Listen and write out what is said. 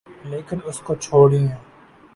لیکن اس کو چھوڑئیے۔